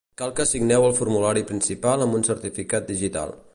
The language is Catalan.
Cal que signeu el formulari principal amb un amb certificat digital.